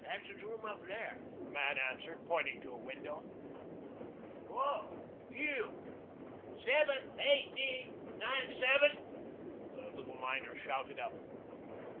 That's his room up there," the man answered, pointing to a window. "Oh, you, seven eighteen ninety nine," the little miner shouted up.